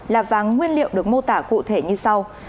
là vàng nguyên liệu được mô tả cụ thể như sau